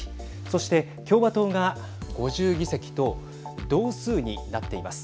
そして共和党が５０議席と同数になっています。